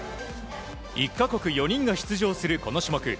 １か国４人が出場するこの種目。